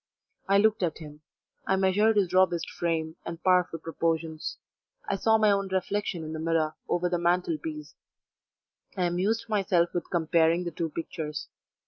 I looked at him: I measured his robust frame and powerful proportions; I saw my own reflection in the mirror over the mantel piece; I amused myself with comparing the two pictures.